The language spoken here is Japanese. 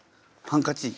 ハンカチ。